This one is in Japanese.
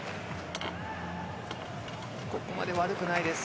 ここまで悪くないです。